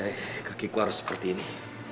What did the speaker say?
kenapa sih kaki aku harus seperti ini